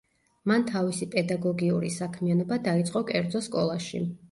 მან თავისი პედაგოგიური საქმიანობა დაიწყო კერძო სკოლაში.